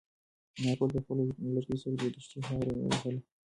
انارګل په خپل اوږد لرګي سره د دښتې خاوره ووهله.